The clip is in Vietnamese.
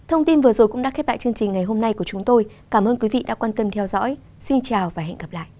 hãy đăng ký kênh để ủng hộ kênh của mình nhé